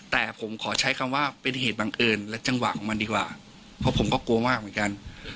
แต่ผมขอใช้คำว่าเป็นเหตุบังเอิญและจังหวะของมันดีกว่าเพราะผมก็กลัวมากเหมือนกัน